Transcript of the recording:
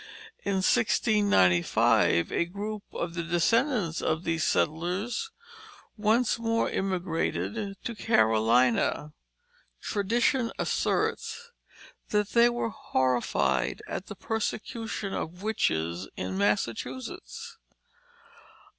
In 1695, a group of the descendants of these settlers once more emigrated to "Carolina." Tradition asserts that they were horrified at the persecution of witches in Massachusetts.